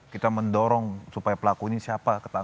kita mendorong supaya pelaku ini siapa